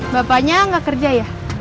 bapaknya gak kerja ya